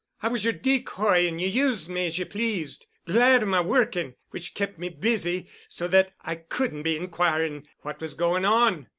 I was your decoy and you used me as you pleased, glad of my working, which kept me busy so that I couldn't be inquiring what was going on.